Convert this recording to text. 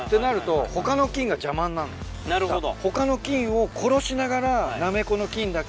なるほど。